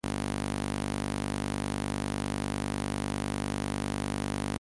El resto de la cubierta está distribuida a tres aguas.